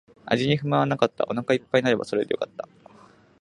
味に不満はなかった。お腹一杯になればそれでよかった。